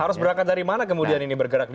harus berangkat dari mana kemudian ini bergerak